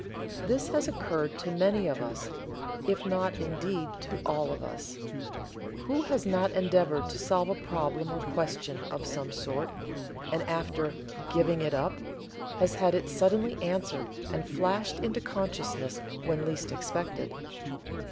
This has occurred to many of us, if not indeed to all of us. Who has not endeavored to solve a problem or question of some sort and after "giving it up" has had it suddenly answered and flashed into consciousness when least expected.